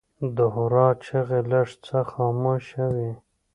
د هورا چیغې لږ څه خاموشه وې.